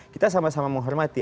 kita sama sama menghormati